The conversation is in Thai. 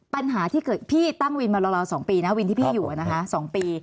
ปัญหาที่เกิดพี่ตั้งวินมาราว๒ปีนะวินที่พี่อยู่นะคะ๒ปี